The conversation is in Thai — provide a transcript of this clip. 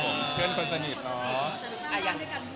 เป็นเพื่อนคนสนิทเนาะ